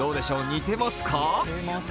似てますか？